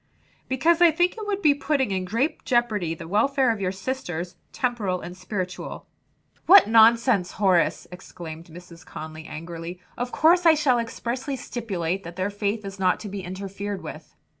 "Because I think it would be putting in great jeopardy the welfare of your sisters, temporal and spiritual" "What nonsense, Horace!" exclaimed Mrs. Conly angrily. "Of course I shall expressly stipulate that their faith is not to be interfered with."